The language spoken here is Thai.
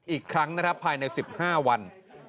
อีกครั้งภายใน๑๕วัน